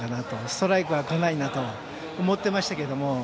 ストライクは来ないと思ってましたけど。